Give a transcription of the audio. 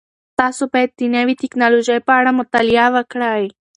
تاسو باید د نوې تکنالوژۍ په اړه مطالعه وکړئ.